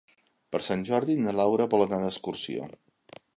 Per Sant Jordi na Laura vol anar d'excursió.